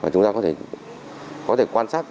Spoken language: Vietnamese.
chúng ta có thể quan sát